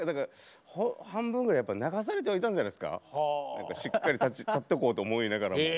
半分ぐらい流されてはいたんじゃないですか？しっかり立っておこうと思いながらも。